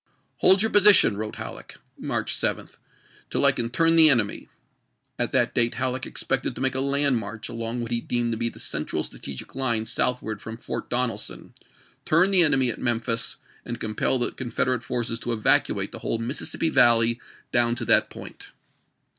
"Hold your position," wrote Halleck, March 7, "till I can tm n the enemy." At that date Halleck ex pected to make a land march along what he deemed to be the central strategic line southward from Fort Donelson, turn the enemy at Memphis, and compel the Confederate forces to evacuate the whole Mississippi Valley down to that point.